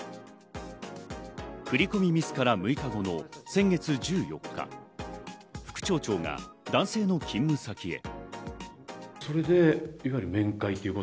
振り込みミスから６日後の先月１４日、副町長が男性の勤務先へ。